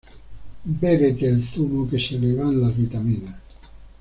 Bébete el zumo que se le van las vitaminas.